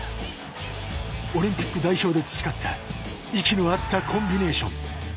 オリンピック代表で培った息の合ったコンビネーション。